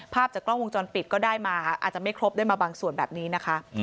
ภาพจากกล้องวงจรปิดก็ได้มาอาจจะไม่ครบได้มาบางส่วนแบบนี้นะคะ